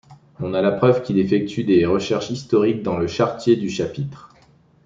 On a la preuve qu'il effectue des recherches historiques dans le chartrier du chapitre.